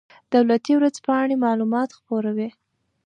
دولتي ورځپاڼې معلومات خپروي